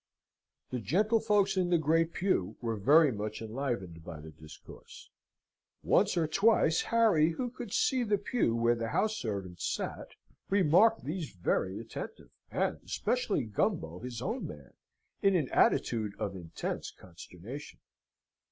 The gentlefolks in the great pew were very much enlivened by the discourse. Once or twice, Harry, who could see the pew where the house servants sate, remarked these very attentive; and especially Gumbo, his own man, in an attitude of intense consternation.